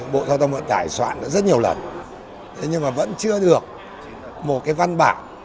bộ tho tâm vận tài soạn rất nhiều lần nhưng mà vẫn chưa được một cái văn bản